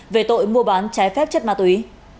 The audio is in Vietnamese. về tội mua bán trái phép chất ma túy